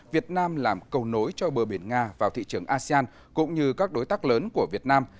việt nam làm cầu nối cho bờ biển nga vào thị trường asean cũng như các đối tác lớn của việt nam